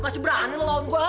masih berani lo lawan gua